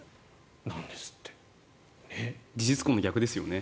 なんですって。事実婚の逆ですよね。